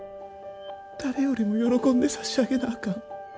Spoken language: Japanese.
誰よりも喜んで差し上げなあかん。